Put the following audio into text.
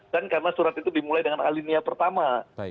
dan karena surat itu dimulai dengan alinia pertama